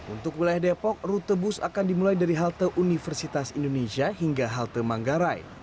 untuk wilayah depok rute bus akan dimulai dari halte universitas indonesia hingga halte manggarai